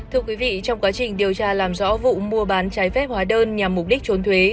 thưa quý vị trong quá trình điều tra làm rõ vụ mua bán trái phép hóa đơn nhằm mục đích trốn thuế